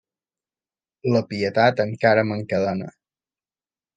La Pietat encara m'encadena.